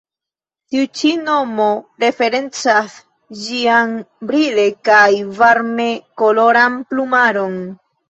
Tiu ĉi nomo referencas ĝian brile kaj varme koloran plumaron.